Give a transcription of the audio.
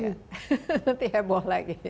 nanti heboh lagi